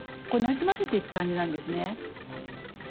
こうなじませていく感じなんですね。